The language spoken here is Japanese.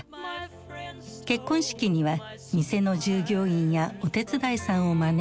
結婚式には店の従業員やお手伝いさんを招いている。